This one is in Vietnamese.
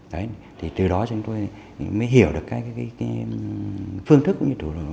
đấy từ đó chúng tôi mới hiểu được các phương thức cũng như thủ đô